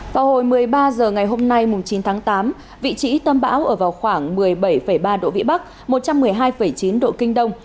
vào hồi một mươi ba h ngày hôm nay chín tháng tám vị trí tâm bão ở vào khoảng một mươi bảy ba độ vĩ bắc một trăm một mươi hai chín độ kinh đông